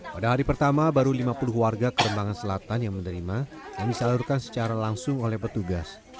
pada hari pertama baru lima puluh warga kerembangan selatan yang menerima yang disalurkan secara langsung oleh petugas